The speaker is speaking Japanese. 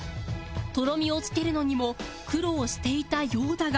とろみを付けるのにも苦労していたようだが